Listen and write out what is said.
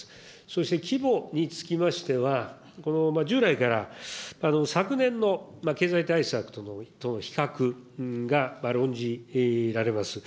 そして規模につきましては、この従来から、昨年の経済対策との比較が論じられます。